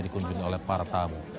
dikunjungi oleh para tamu